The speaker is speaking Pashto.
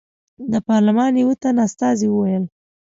د پارلمان یو تن استازي وویل.